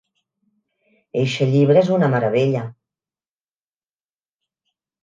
Eixe llibre és una meravella.